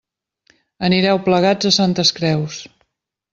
Anireu plegats a Santes Creus.